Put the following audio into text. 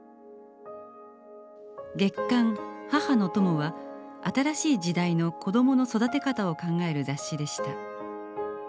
月刊「母の友」は新しい時代の子どもの育て方を考える雑誌でした。